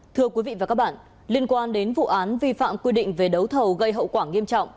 thưa quý vị và các bạn liên quan đến vụ án vi phạm quy định về đấu thầu gây hậu quả nghiêm trọng